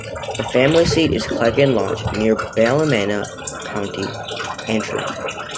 The family seat is Cleggan Lodge, near Ballymena, County Antrim.